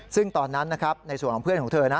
ซึ่งตอนนั้นนะครับในส่วนของเพื่อนของเธอนะ